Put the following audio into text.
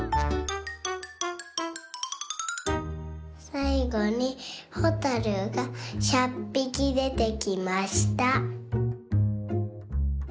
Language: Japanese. さいごにほたるが１００ぴきでてきました。